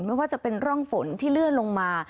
ไม่ว่าจะเป็นร่องฝนที่เลื่อนลงมา